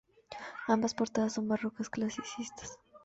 Ambas portadas son barrocas clasicistas.